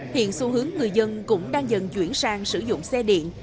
hiện xu hướng người dân cũng đang dần chuyển sang sử dụng xe điện